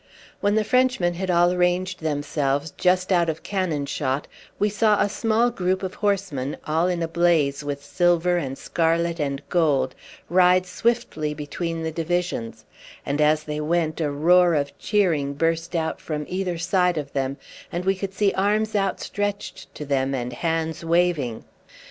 When the Frenchmen had all arranged themselves just out of cannon shot we saw a small group of horsemen, all in a blaze with silver and scarlet and gold, ride swiftly between the divisions, and as they went a roar of cheering burst out from either side of them, and we could see arms outstretched to them and hands waving.